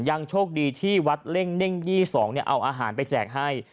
ยังโชคดีที่วัดเล่งเน่ง๒๒เอาอาหารไปแจกให้